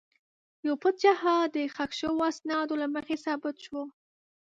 یو پټ جهاد د ښخ شوو اسنادو له مخې ثابت شو.